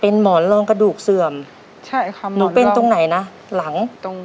จนแก้มข้างหลัง